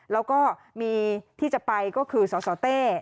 แล้วก็มีที่จะไปก็คือสสเต้